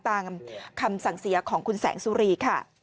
ตามคำสั่งเสียของคุณแสงสุรีค่ะ